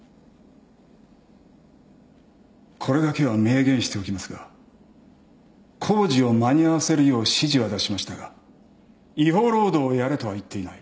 これだけは明言しておきますが工事を間に合わせるよう指示は出しましたが違法労働をやれとは言っていない。